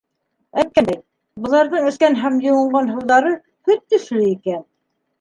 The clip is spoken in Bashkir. Әйткәндәй, быларҙың эскән һәм йыуынған һыуҙары һөт төҫлө икән.